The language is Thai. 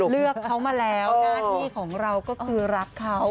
เลือกเขามาแล้วหน้าที่ของเราก็คือรักเขา